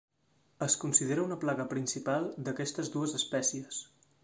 Es considera una plaga principal d'aquestes dues espècies.